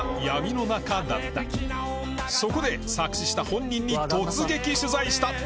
そこで作詞した本人に突撃取材した！